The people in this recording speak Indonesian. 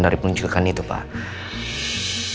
dari penjagaan itu pak